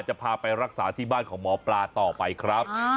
จะพาไปรักษาที่บ้านของหมอปลาต่อไปครับ